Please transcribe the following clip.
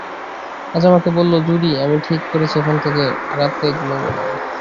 আজ আমাকে বলল, জুড়ি, আমি ঠিক করেছি-এখন থেকে রাতে ঘুমুব না।